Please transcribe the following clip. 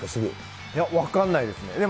いや、分かんないですね。